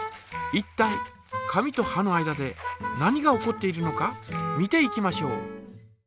いったい紙とはの間で何が起こっているのか見ていきましょう。